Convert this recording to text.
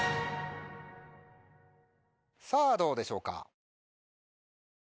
さぁどうでしょうか？